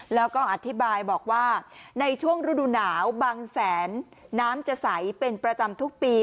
แล้วก็อธิบายบอกว่าในช่วงฤดูหนาวบางแสนน้ำจะใสเป็นประจำทุกปี